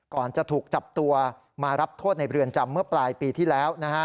ก่อนจะถูกจับตัวมารับโทษในเรือนจำเมื่อปลายปีที่แล้วนะฮะ